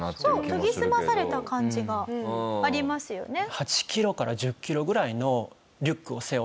研ぎ澄まされた感じがありますよね。